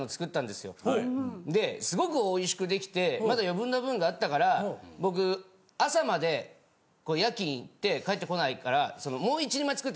ですごくおいしくできてまだ余分な分があったから僕朝までこう夜勤行って帰ってこないから。